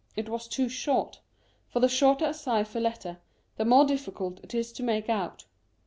It was too short : for the shorter a cypher letter, the more difficult it is to make out.